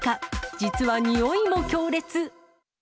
実は臭いも強烈。